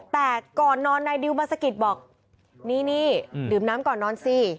แต่ก่อนนอนนายดิวมาสะกิดบอกนี่นี่ดื่มน้ำก่อนนอนสิ